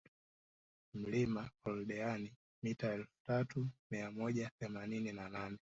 Mlima Oldeani mita elfu tatu mia moja themanini na nane